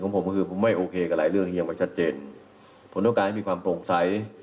ผมต้องการให้มีความโปร่งใส